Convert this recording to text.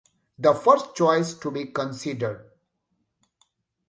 The first choice to be considered.